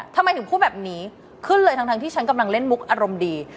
ทำไมถึงพูดแบบนี้ขึ้นเลยทั้งที่ฉันกำลังเล่นมุกอารมณ์ดี